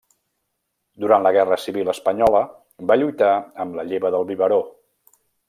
Durant la guerra civil espanyola va lluitar amb la lleva del biberó.